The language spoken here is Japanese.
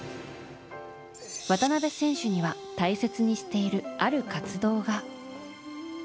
渡邊選手には大切にしているある活動が。